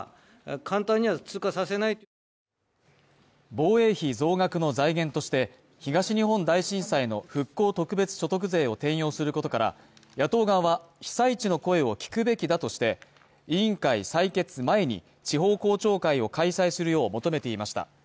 防衛費増額の財源として、東日本大震災の復興特別所得税を転用することから、野党側は、被災地の声を聞くべきだとして、委員会採決前に地方公聴会を開催するよう求めていました。